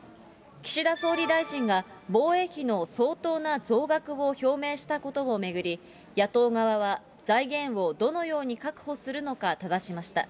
岸田総理大臣が防衛費の相当な増額を表明したことを巡り、野党側は、財源をどのように確保するのかただしました。